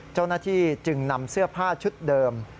เจ้าหน้าที่จึงนำเสื้อผ้าชุดเดิม